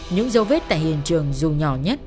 những dấu vết tại hiện trường dù nhỏ nhất